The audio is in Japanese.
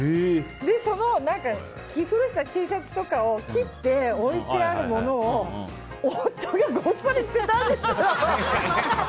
その、着古したＴシャツとかを切って置いてあるものを夫がごっそり捨てたんですよ！